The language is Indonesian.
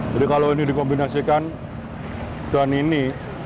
jadi kalau ini dikombinasikan dengan ini